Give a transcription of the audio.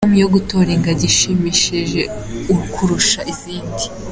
com yo gutora ingagi ishimisheje kurusha izindi.